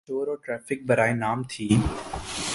جہاں شور اور ٹریفک برائے نام تھی۔